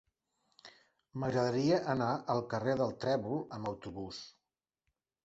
M'agradaria anar al carrer del Trèvol amb autobús.